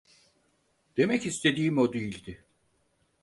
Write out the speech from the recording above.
Demek istediğim o değildi.